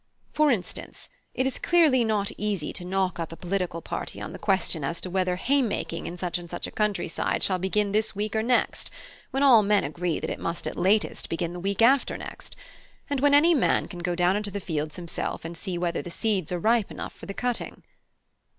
For instance, it is clearly not easy to knock up a political party on the question as to whether haymaking in such and such a country side shall begin this week or next, when all men agree that it must at latest begin the week after next, and when any man can go down into the fields himself and see whether the seeds are ripe enough for the cutting."